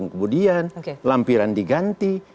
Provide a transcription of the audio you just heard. kemudian lampiran diganti